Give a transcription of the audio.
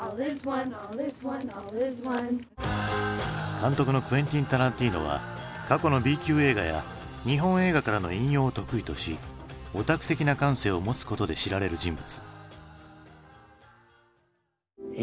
監督のクエンティン・タランティーノは過去のＢ級映画や日本映画からの引用を得意としオタク的な感性を持つことで知られる人物。